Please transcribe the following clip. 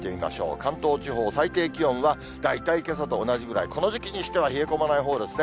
関東地方、最低気温は大体けさと同じぐらい、この時期にしては冷え込まないほうですね。